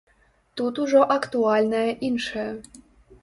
Тут ужо актуальнае іншае.